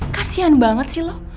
kasian banget sih lo